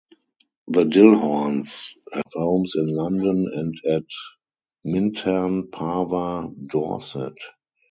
The Dilhornes have homes in London and at Minterne Parva, Dorset.